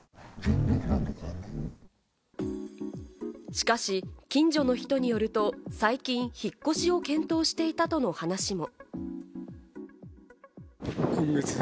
しかし近所の人によると、最近引っ越しを検討していたとの話も。